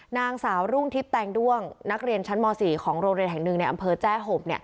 นางสาวรุ่งทิพย์แตงด้วงนักเรียนชั้นม๔ของโรงเรียนแห่งหนึ่งในอำเภอแจ้ห่ม